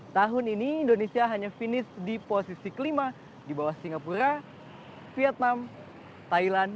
tahun ini indonesia hanya finish di posisi kelima di bawah singapura vietnam thailand